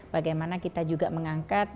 bagaimana kita juga mengangkat